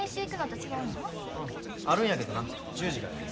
うんあるんやけどな１０時からや。